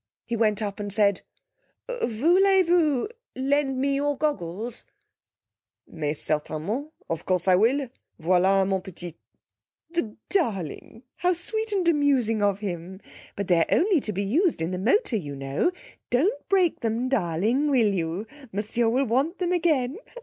He went up and said: 'Voulez vous lend me your goggles?' 'Mais certainement! Of course I will. Voilà mon petit.' 'The darling! How sweet and amusing of him! But they're only to be used in the motor, you know. Don't break them, darling, will you? Monsieur will want them again.